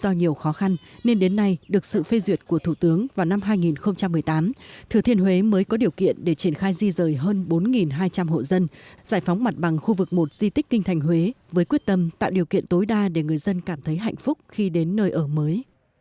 do nhiều khó khăn nên đến nay được sự phê duyệt của thủ tướng vào năm hai nghìn một mươi tám thừa thiên huế mới có điều kiện để triển khai di rời hơn bốn hai trăm linh hộ dân giải phóng mặt bằng khu vực một di tích kinh thành huế với quyết tâm tạo điều kiện tối đa để người dân cảm thấy hạnh phúc khi đến nơi ở mới